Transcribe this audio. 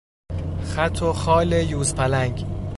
خط و خال یوزپلنگ